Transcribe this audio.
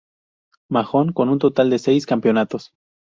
Mahón, con un total de seis campeonatos.